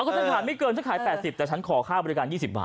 ถ้าฉันผ่านไม่เกินฉันขาย๘๐แต่ฉันขอค่าบริการ๒๐บาท